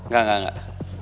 gak gak gak